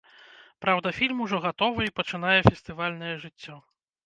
Праўда, фільм ужо гатовы і пачынае фестывальнае жыццё.